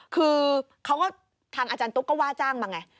คือเขาก็ทางอาจารย์ตุ๊กก็ว่าจ้างมาไง